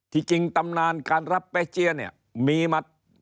จริงตำนานการรับแป๊เจียเนี่ยมีมา